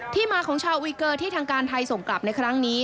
มาของชาวอุยเกอร์ที่ทางการไทยส่งกลับในครั้งนี้